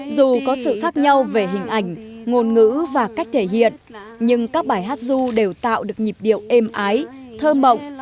dù có sự khác nhau về hình ảnh ngôn ngữ và cách thể hiện nhưng các bài hát du đều tạo được nhịp điệu êm ái thơ mộng